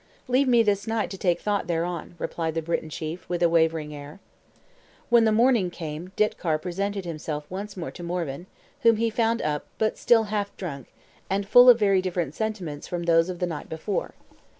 "Leave me this night to take thought thereon," replied the Breton chief, with a wavering air. When the morning came, Ditcar presented himself once more to Morvan, whom he found up, but still half drunk, and full of very different sentiments from those of the night before.